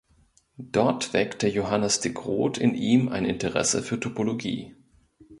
Dort weckte Johannes de Groot in ihm ein Interesse für Topologie.